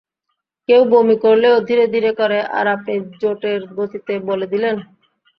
কেউ বমি করলেও ধীরে ধীরে করে, আর আপনি জেটের গতিতে বলে দিলেন?